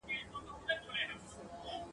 تر دوو سترګو یې بڅري غورځېدله ..